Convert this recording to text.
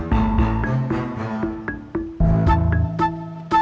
jangan sekadar itu